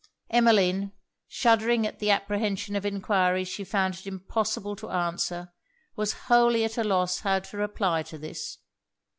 Emmeline, shuddering at the apprehension of enquiries she found it impossible to answer, was wholly at a loss how to reply to this.